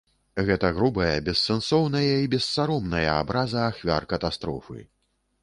Гэта грубая, бессэнсоўная і бессаромная абраза ахвяр катастрофы.